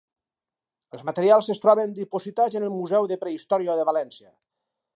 Els materials es troben dipositats en el Museu de Prehistòria de València.